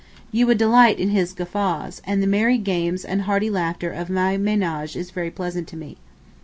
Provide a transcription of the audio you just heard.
You would delight in his guffaws, and the merry games and hearty laughter of my ménage is very pleasant to me.